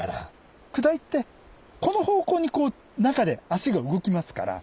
くだりってこの方向に中で足が動きますから。